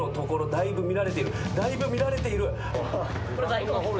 だいぶ見られている。